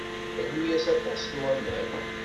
Rnu-yas aṭas n waman.